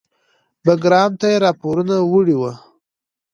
بګرام ته یې راپورونه وړي وو.